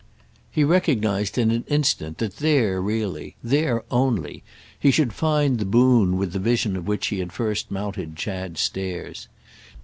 He recognised in an instant that there really, there only, he should find the boon with the vision of which he had first mounted Chad's stairs.